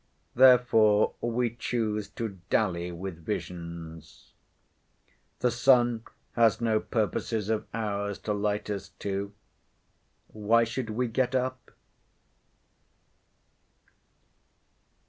Therefore we choose to dally with visions. The sun has no purposes of ours to light us to. Why should we get up?